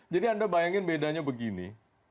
jadi anda bayangin bedanya begini